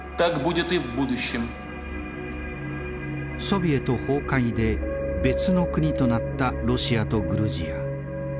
ソビエト崩壊で別の国となったロシアとグルジア。